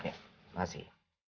oke terima kasih